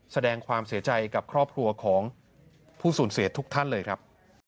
แสดงความเสียใจกับครอบครัวของผู้สูญเสียทุกท่านเลยครับ